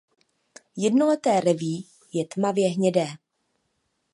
Jednoleté réví je tmavě hnědé.